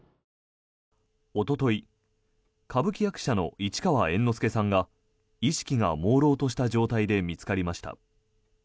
おととい歌舞伎役者の市川猿之助さんが意識がもうろうとした状態で見つかりました。